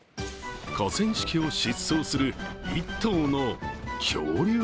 河川敷を疾走する一頭の恐竜。